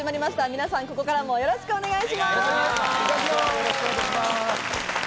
皆さん、ここからもよろしくお願いします。